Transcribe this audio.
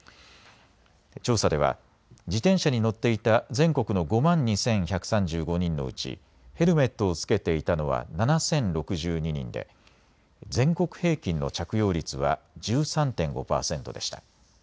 調査では自転車に乗っていた全国の５万２１３５人のうちヘルメットをつけていたのは７０６２人で全国平均の着用率は１３．５％でした。